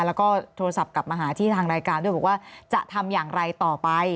แล้วก็โทรศัพท์กลับมาหาที่ทางรายการด้วยบอกว่าจะทำอย่างไรต่อไป